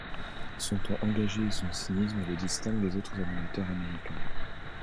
Son ton engagé et son cynisme le distinguent des autres animateurs américains.